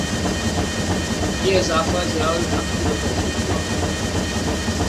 یہ اضافہ ضیاء الحق کی وجہ سے ہوا؟